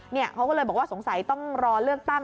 เขาก็เลยบอกว่าสงสัยต้องรอเลือกตั้ง